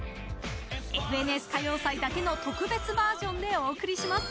「ＦＮＳ歌謡祭」だけの特別バージョンでお送りします。